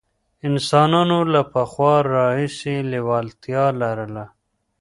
انسانانو له پخوا راهیسې لېوالتیا لرله.